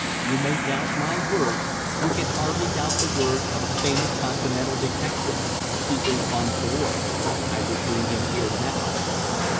"You may doubt my word, you can hardly doubt the word of a famous Continental detective. He is on board. I will bring him here now."